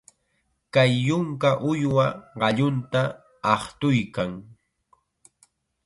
Kay yunka uywa qallunta aqtuykan.